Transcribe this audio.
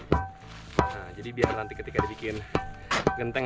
nah jadi biar nanti ketika dibikin genteng